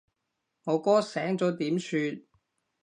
我哥醒咗點算？